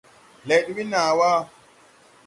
Lɛd we naa wà.